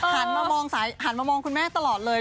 หันมามองคุณแม่ตลอดเลย